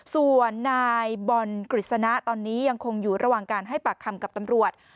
ส่วนนายบอลกฤษณะตอนนี้ยังคงอยู่ระหว่างการให้ปากคำกับตำรวจ